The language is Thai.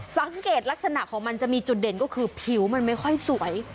ลักษณะของมันจะมีจุดเด่นก็คือผิวมันไม่ค่อยสวย